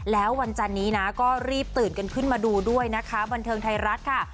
แล้ววันจันนี้นะก็รีบตื่นกันขึ้นมาดูด้วยนะคะบันเทิงไทยรัฐค่ะ